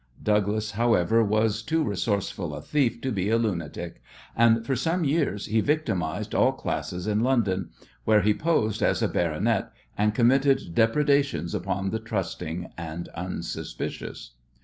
Douglas, however, was too resourceful a thief to be a lunatic, and for some years he victimized all classes in London, where he posed as a baronet and committed depredations upon the trusting and unsuspicious.